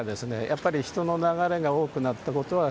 やっぱり人の流れが多くなった事は確かで。